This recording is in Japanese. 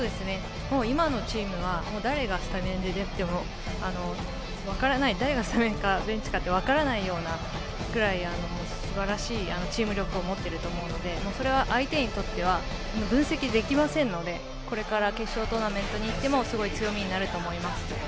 今のチームは誰がスタメンかベンチか分からないっていうぐらいすばらしいチーム力を持っていると思うのでそれは相手にとっては分析できませんのでこれから決勝トーナメントに行ってもすごい強みになると思います。